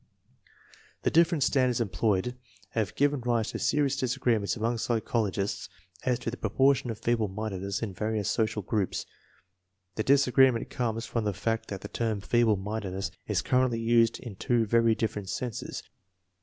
The different standards employed have given rise to serious disagreements among psychologists as to the proportion of feeble mindedness in various social groups. The disagreement comes from the fact that the term " feeble mindedness " is currently used in two very different senses.